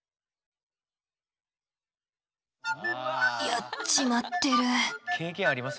やっちまってる。